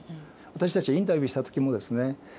私たちがインタビューした時もですね